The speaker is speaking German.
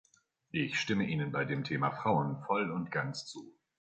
Ich stimme Ihnen bei dem Thema Frauen voll und ganz zu.